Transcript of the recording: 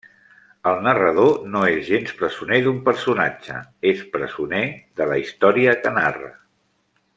El narrador no és gens presoner d'un personatge, és presoner de la història que narra.